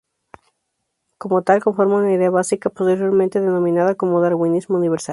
Como tal, conforma una idea básica posteriormente denominada como "Darwinismo Universal".